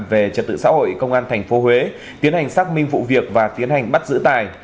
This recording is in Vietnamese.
về trật tự xã hội công an tp huế tiến hành xác minh vụ việc và tiến hành bắt giữ tài